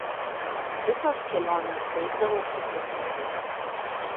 Visos kelionės baigdavosi sėkmingai.